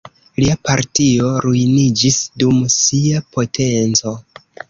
Lia partio ruiniĝis dum sia potenco.